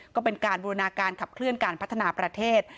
ก็เป็นการบูรณาการขับเคลื่อนการพัฒนาประเทศ